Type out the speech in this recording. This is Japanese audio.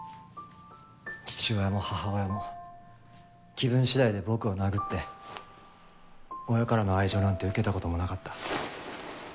父親も母親も気分次第で僕を殴って親からの愛情なんて受けた事もなかった。